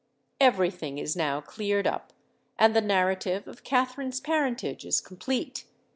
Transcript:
Every thing is now cleared up—and the narrative of Katherine's parentage is complete.